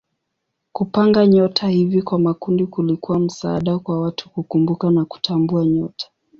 Kupanga nyota hivi kwa makundi kulikuwa msaada kwa watu kukumbuka na kutambua nyota.